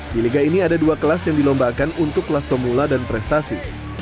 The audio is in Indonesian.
di liga ini ada dua kelas yang dilombakan untuk kelas pemula dan prestasi